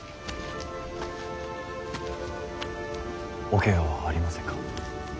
おケガはありませんか。